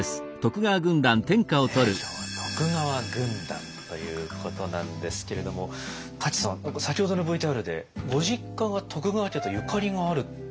今日は徳川軍団ということなんですけれども舘さん先ほどのＶＴＲでご実家が徳川家とゆかりがあるって。